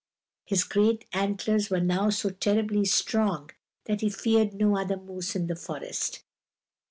His great antlers were now so terribly strong that he feared no other moose in the forest.